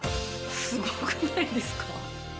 すごくないですか？